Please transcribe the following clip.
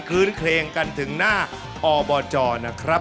คืนเคลงกันถึงหน้าอบจนะครับ